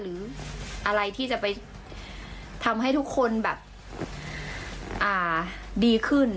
หรืออะไรที่จะไปทำให้ทุกคนแบบดีขึ้น